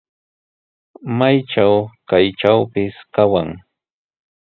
Maytraw chaytrawpis kawan.